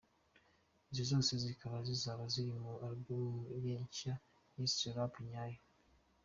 Izi zose zikaba zizaba ziri kuri Album ye nshya yise Rap nyayo.